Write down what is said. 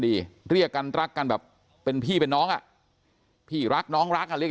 เรียกกันรักกันแบบเป็นพี่เป็นน้องอ่ะพี่รักน้องรักอ่ะเรียก